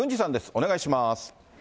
お願いします。